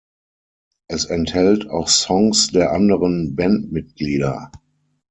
Es enthält auch Songs der anderen Bandmitglieder.